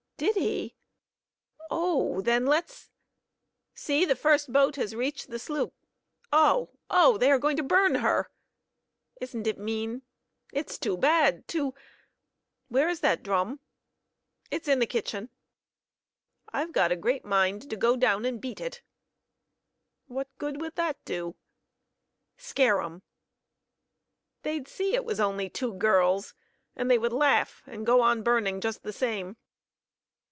"Did he? Oh! then let's " "See, the first boat has reached the sloop. Oh! oh! They are going to burn her." "Isn't it mean?" "It's too bad! too " "Where is that drum?" "It's in the kitchen." "I've got a great mind to go down and beat it." "What good would that do?" "Scare 'em." "They'd see it was only two girls, and they would laugh and go on burning just the same."